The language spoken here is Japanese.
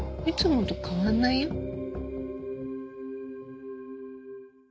いつもと変わんないよ。